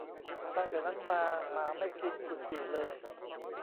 ตั้งแต่นั้นมาหมาไม่กินกุดจี่เลย